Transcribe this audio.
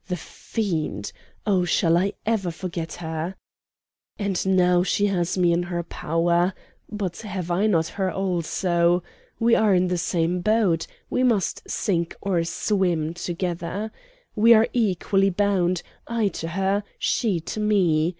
the fiend! Oh, shall I ever forget her? "And now she has me in her power! But have I not her also? We are in the same boat we must sink or swim, together. We are equally bound, I to her, she to me.